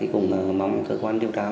cũng mong cơ quan điều tra